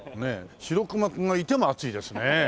シロクマ君がいても暑いですね。